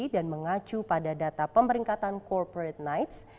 dan mengacu pada data pemeringkatan corporate knights